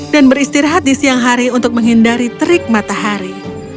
dan beristirahat di siang hari untuk menghindari terik matahari